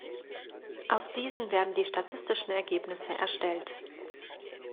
Aus diesen werden die statistischen Ergebnisse erstellt.